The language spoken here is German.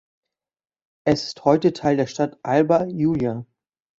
Es ist heute Teil der Stadt Alba Iulia.